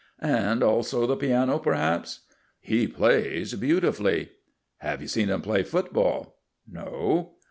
"And also the piano, perhaps?" "He plays beautifully." "Have you seen him play football?" "No."